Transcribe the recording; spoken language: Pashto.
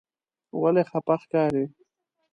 ولې خپه ښکارې؟